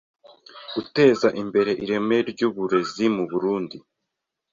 guteza imbere ireme ry’uburezi mu Burunndi